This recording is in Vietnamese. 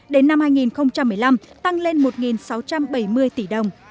đến năm hai nghìn một mươi năm tăng lên một sáu trăm bảy mươi tỷ đồng